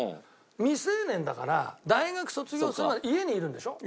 未成年だから大学卒業するまで家にいるんでしょ？